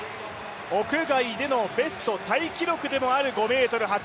屋外でのベストタイ記録でもある５